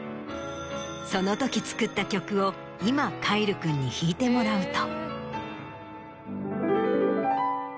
そのとき作った曲を今凱成君に弾いてもらうと。